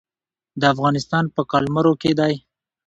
د افغانستان په قلمرو کې دی.